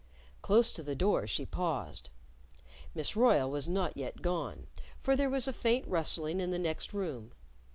Close to the door she paused. Miss Royle was not yet gone, for there was a faint rustling in the next room.